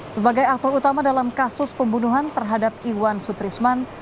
sebagai aktor utama dalam kasus pembunuhan terhadap iwan sutrisman